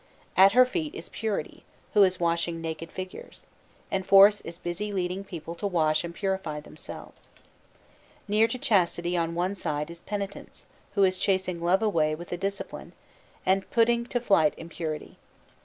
At her feet is Purity, who is washing naked figures; and Force is busy leading people to wash and purify themselves. Near to Chastity, on one side, is Penitence, who is chasing Love away with a Discipline, and putting to flight Impurity.